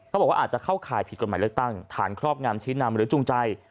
บอกว่าอาจจะเข้าข่ายผิดกฎหมายเลือกตั้งฐานครอบงามชี้นำหรือจูงใจ